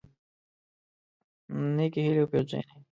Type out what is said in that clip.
نیکی هیلی او پیرزوینی